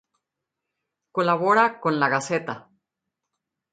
Colabora con La Gaceta.